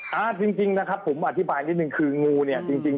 จริงนะครับผมอธิบายนิดนึงคืองูเนี่ยจริง